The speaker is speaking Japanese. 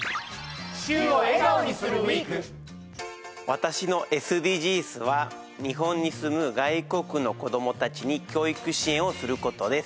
私のＳＤＧｓは日本に住む外国の子どもたちに教育支援をすることです